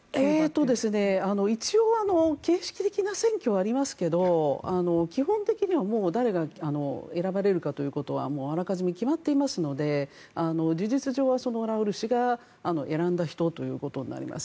一応、形式的な選挙はありますけど基本的には誰が選ばれるかということはあらかじめ決まっていますので事実上はラウル氏が選んだ人ということになります。